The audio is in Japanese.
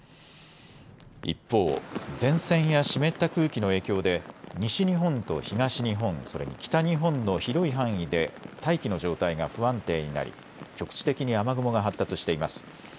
一方、前線や湿った空気の影響で西日本と東日本、それに北日本の広い範囲で大気の状態が不安定になり局地的に雨雲が発達しています。